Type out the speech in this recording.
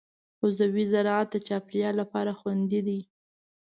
عضوي زراعت د چاپېریال لپاره خوندي دی.